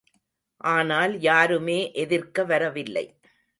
ஆனால், யாருமே எதிர்க்க வரவில்லை.